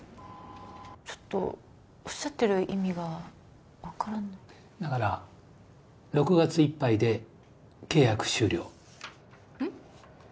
ちょっとおっしゃってる意味が分からないだから６月いっぱいで契約終了うん？